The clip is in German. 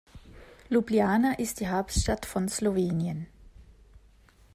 Ljubljana ist die Hauptstadt von Slowenien.